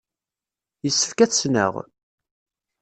Yessefk ad t-ssneɣ?